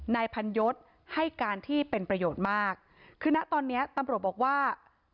นายพันยศให้การที่เป็นประโยชน์มากคือนะตอนเนี้ยตำรวจบอกว่า